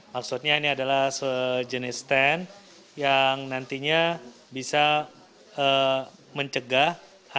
maksudnya ini adalah sejenis stand yang nantinya bisa mencegah